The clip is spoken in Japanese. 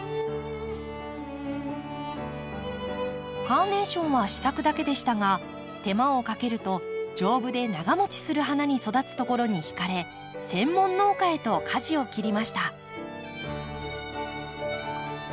カーネーションは試作だけでしたが手間をかけると丈夫で長もちする花に育つところに惹かれ専門農家へとかじを切りました。